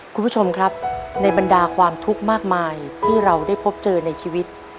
คุณผู้ชมครับในบรรดาความทุกข์มากมายที่เราได้พบเจอในชีวิต